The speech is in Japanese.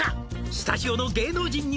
スタジオの芸能人には」